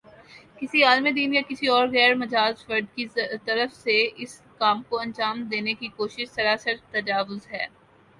کسی عالمِ دین یا کسی اور غیر مجاز فرد کی طرف سے اس کام کو انجام دینے کی کوشش سراسر تجاوز ہے